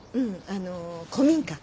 あのう古民家。